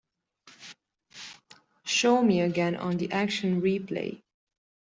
Show me again on the action replay